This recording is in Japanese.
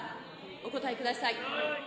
お答えください。